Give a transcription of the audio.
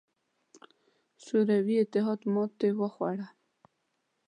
شوروي اتحاد ماتې وخوړه.